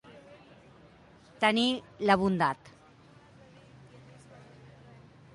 Tenir la bondat.